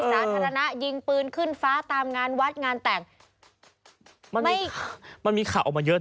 สาธารณะยิงปืนขึ้นฟ้าตามงานวัดงานแต่งมันไม่มันมีข่าวออกมาเยอะ